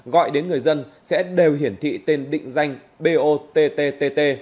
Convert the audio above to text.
gọi đến người dân sẽ đều hiển thị tên định danh bottttt